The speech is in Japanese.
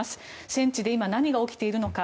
戦地で今、何が起きているのか。